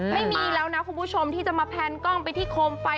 ไม่มีแล้วนะคุณผู้ชมที่จะมาแพนกล้องไปที่โคมไฟ